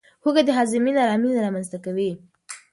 هوږه د هاضمې نارامي رامنځته کوي.